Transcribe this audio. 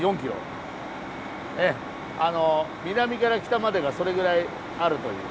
南から北までがそれぐらいあるという。